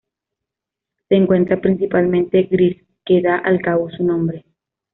Se encuentra principalmente gris que da al cabo su nombre.